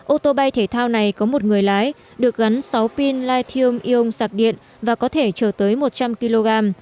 ô tô bay thể thao này có một người lái được gắn sáu pin lithium ion sạc điện và có thể chở tới một trăm linh kg